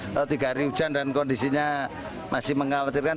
kalau tiga hari hujan dan kondisinya masih mengkhawatirkan